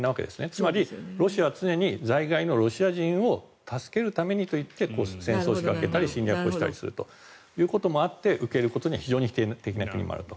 つまりロシアは常に在外のロシア人を助けるためにと言って戦争を仕掛けたり侵略をしたりするということもあって受け入れることには非常に否定的な国もあると。